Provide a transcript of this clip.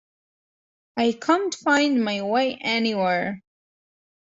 I can't find my way anywhere!